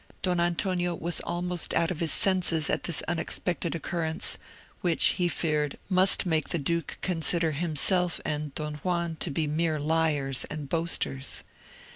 Don Antonio was almost out of his senses at this unexpected occurrence, which, he feared, must make the duke consider himself and Don Juan to be mere liars and boasters.